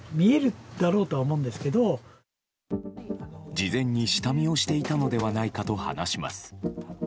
事前に下見をしていたのではないかと話します。